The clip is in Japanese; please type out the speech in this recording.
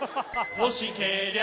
欲しけりゃ